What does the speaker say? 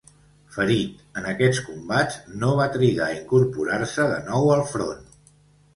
Ferit en aquests combats, no va trigar a incorporar-se de nou al front.